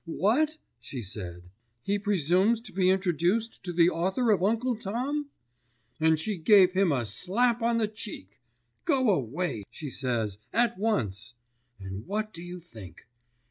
"What?" she said, "he presumes to be introduced to the author of Uncle Tom?" And she gave him a slap on the cheek! "Go away!" she says, "at once!" And what do you think?